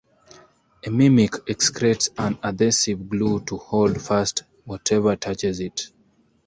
A mimic excretes an adhesive glue to hold fast whatever touches it.